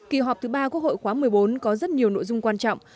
kỳ họp thứ ba quốc hội khóa một mươi bốn có rất nhiều nội dung quan trọng